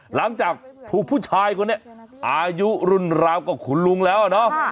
หลังจากถูกผู้ชายคนนี้อายุรุ่นราวกับขุนลุงแล้วเนาะ